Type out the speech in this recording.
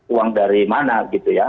uang dari mana gitu ya